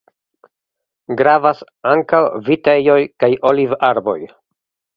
Gravas ankaŭ vitejoj kaj olivarboj.